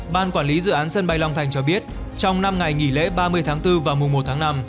ban quản lý dự án sân bay long thành cho biết trong năm ngày nghỉ lễ ba mươi tháng bốn và mùa một tháng năm